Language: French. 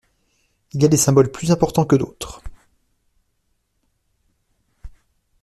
Il y a des symboles plus importants que d'autres.